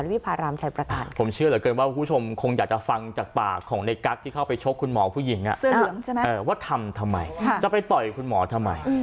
ว่าทำทำไมจะไปต่อยคุณหมอทำไม